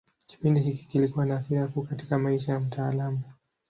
Kipindi hiki kilikuwa na athira kuu katika maisha ya mtaalamu.